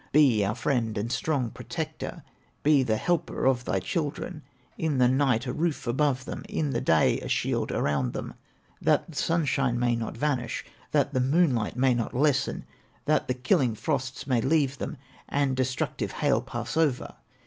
Be our friend and strong protector, Be the helper of thy children, In the night a roof above them, In the day a shield around them, That the sunshine may not vanish, That the moonlight may not lessen, That the killing frosts may leave them, And destructive hail pass over.